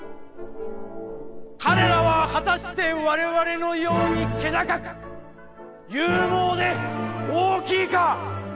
彼らは果たしてわれわれのように気高く、勇猛で、大きいか？